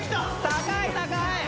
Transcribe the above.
高い高い！